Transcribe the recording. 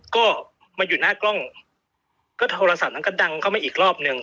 ก็มาอยู่หน้ากล้องก็โทรศัพท์นั้นก็ดังเข้ามาอีกรอบหนึ่ง